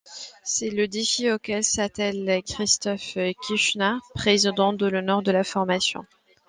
C'est le défi auquel s'attelle Christophe Kichenin, président d'honneur de la formation.